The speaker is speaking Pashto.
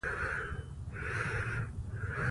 کیمیاګر وايي حقیقت باطني دی.